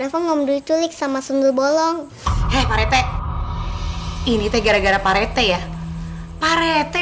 hai nafong ngom dikulit sama sundar bolong eh parete ini te gara gara parete ya parete